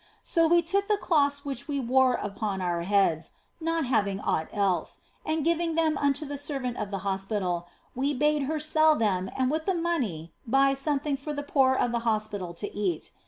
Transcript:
So we took the cloths we wore upon our heads (not having aught else), and giving them unto the servant of the hos pital, we bade her sell them and with the money buy something for the poor of the hospital to eat.